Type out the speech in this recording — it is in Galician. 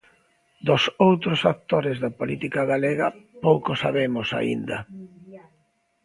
Dos outros actores da política galega pouco sabemos aínda.